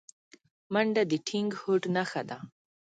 منډه د ټینګ هوډ نښه ده